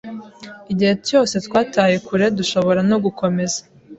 Igihe cyose twatwaye kure, dushobora no gukomeza.